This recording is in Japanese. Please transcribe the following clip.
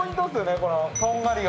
このとんがりが。